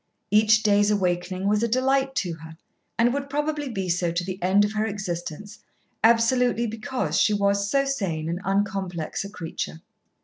Each day's awakening was a delight to her, and would probably be so to the end of her existence, absolutely because she was so sane and uncomplex a creature.